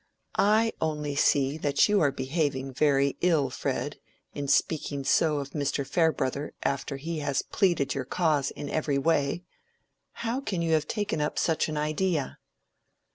"I only see that you are behaving very ill, Fred, in speaking so of Mr. Farebrother after he has pleaded your cause in every way. How can you have taken up such an idea?"